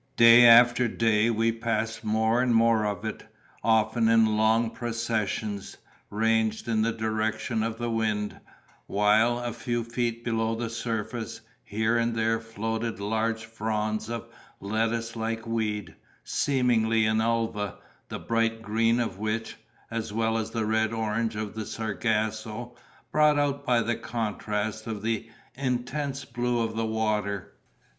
Day after day we passed more and more of it, often in long processions, ranged in the direction of the wind; while, a few feet below the surface, here and there floated large fronds of a lettuce like weed, seemingly an ulva, the bright green of which, as well as the rich orange hue of the sargasso, brought out by contrast the intense blue of the water.